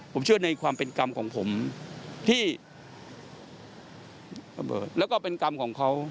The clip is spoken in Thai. ผมเชื่อในความเป็นกรรมของผมที่ระเบิดแล้วก็เป็นกรรมของเขา